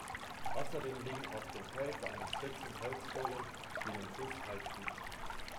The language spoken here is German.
Außerdem liegen auf dem Fels an den Stützen Holzbohlen, die dem Fuß Halt bieten.